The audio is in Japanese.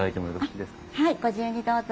はいご自由にどうぞ。